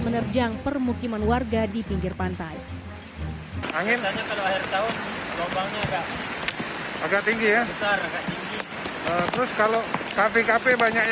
menerjang permukiman warga di pinggir pantai angin air tahu agak tinggi ya kalau kafe kafe banyak